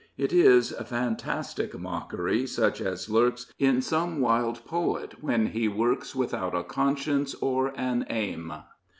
It is Fantastic mockery, such as lurks In some wild poet when he works Without a conscience or an aim.